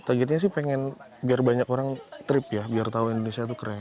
targetnya sih pengen biar banyak orang trip ya biar tahu indonesia itu keren